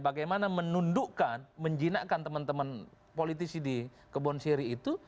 bagaimana menundukkan menjinakkan teman teman politisi di kebon siri itu